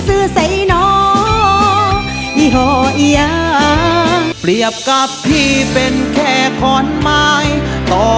อื้มอร่อยไม่หวานเลยรส